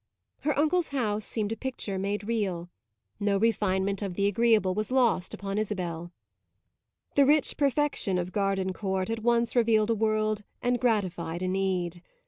Her uncle's house seemed a picture made real; no refinement of the agreeable was lost upon Isabel; the rich perfection of Gardencourt at once revealed a world and gratified a need.